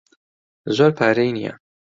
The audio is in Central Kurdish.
زۆر پارەی نییە.